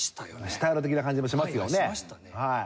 シタール的な感じもしますよね。